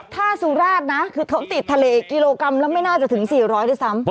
ถ้าสุราชนะคือเขาติดทะเลกิโลกรัมแล้วไม่น่าจะถึง๔๐๐ด้วยซ้ำ